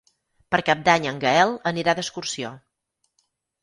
Per Cap d'Any en Gaël anirà d'excursió.